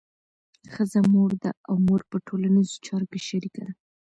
ښځه مور ده او مور په ټولنیزو چارو کې شریکه ده.